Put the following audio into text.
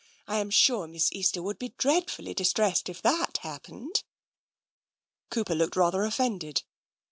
I am sure Miss Easter would be dreadfully distressed if that hap pened." Cooper looked rather offended.